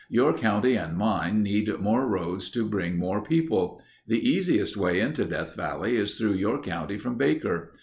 "Your county and mine need more roads to bring more people. The easiest way into Death Valley is through your county from Baker.